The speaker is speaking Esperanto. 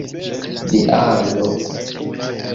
viando